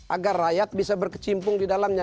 agar rakyat bisa berkecimpung di dalamnya